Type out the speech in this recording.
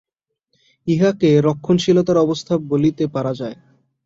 ইহাকে রক্ষণশীলতার অবস্থা বলিতে পারা যায়।